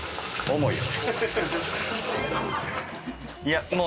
重いよ！